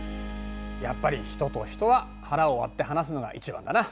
やっぱり人と人は腹を割って話すのが一番だな。